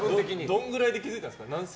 どのくらいで気づいたんですか？